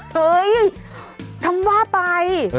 เฮ้ยทำว่าไป